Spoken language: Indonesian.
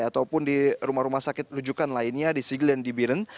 ataupun di rumah rumah sakit rujukan lainnya di sigil dan di biren